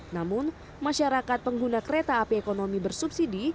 namun masyarakat pengguna kereta api ekonomi bersubsidi